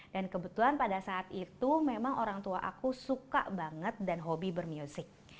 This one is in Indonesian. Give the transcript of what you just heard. dan kebetulan pada saat itu memang orang tua aku suka banget dan hobi bermusik